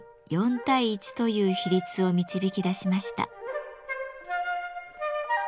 ４対１という比率を導き出しました。